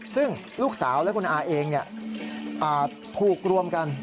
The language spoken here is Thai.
ซึ่งลูกสาวและคุณอาเองถูกรวมกัน